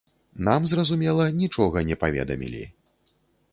Нам, зразумела, нічога не паведамілі.